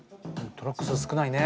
トラック数少ないね。